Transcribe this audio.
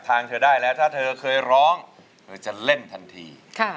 เธอได้แล้วถ้าเธอเคยร้องเธอจะเล่นทันที